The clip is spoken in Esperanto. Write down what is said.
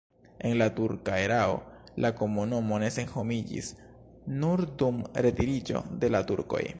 En la turka erao la komunumo ne senhomiĝis, nur dum retiriĝo de la turkoj.